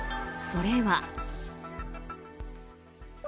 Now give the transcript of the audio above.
それは。